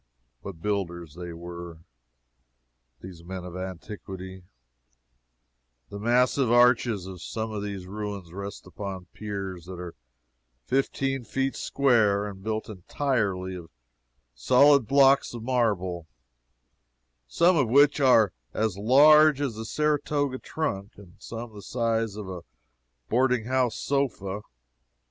What builders they were, these men of antiquity! The massive arches of some of these ruins rest upon piers that are fifteen feet square and built entirely of solid blocks of marble, some of which are as large as a Saratoga trunk, and some the size of a boarding house sofa.